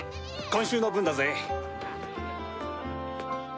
今週の分だぜ。